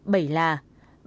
bảy ban chỉ đạo